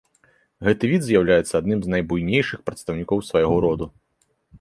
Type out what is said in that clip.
Гэты від з'яўляецца адным з найбуйнейшых прадстаўнікоў свайго роду.